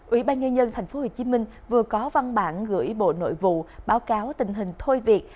ủy ban nhân dân tp hcm vừa có văn bản gửi bộ nội vụ báo cáo tình hình thôi việc